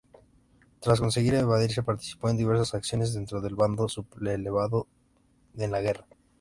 Tras conseguir evadirse, participó en diversas acciones dentro del bando sublevado en la guerra.